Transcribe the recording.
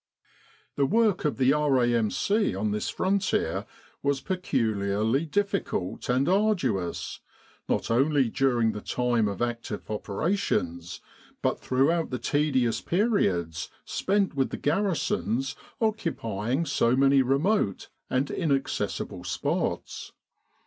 The work of the R.A.M.C. on this frontier was peculiarly difficult and arduous, not only during the time of active operations, but throughout the tedious periods spent with the garrisons occupying so many remote and inaccessible spots.